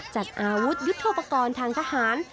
จัดอาวุธยุทธโปรกรณ์ทางทหาร